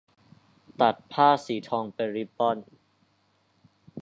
ตัดผ้าสีทองเป็นริบบอน